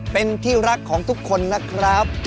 เป็นที่รักของทุกคนนะครับ